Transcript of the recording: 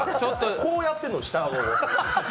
こうやってんの、下顎を。